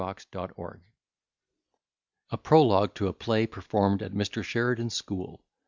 Scott.] A PROLOGUE TO A PLAY PERFORMED AT MR. SHERIDAN'S SCHOOL.